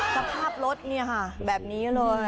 สภาพรถเนี่ยค่ะแบบนี้เลย